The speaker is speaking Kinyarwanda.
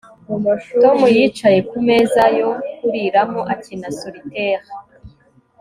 Tom yicaye kumeza yo kuriramo akina solitaire